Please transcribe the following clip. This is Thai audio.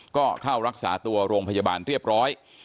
ก็เข้ารักษาตัวโรงพยาบาลเรียบร้อย